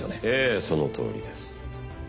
ええそのとおりです。